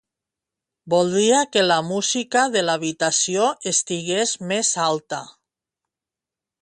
Voldria que la música de l'habitació estigués més alta.